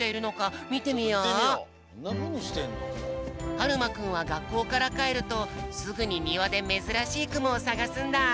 はるまくんはがっこうからかえるとすぐににわでめずらしいくもをさがすんだ。